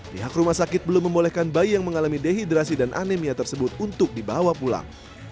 pihak rumah sakit belum membolehkan bayi yang mengalami dehidrasi dan anemia tersebut untuk dibawa pulang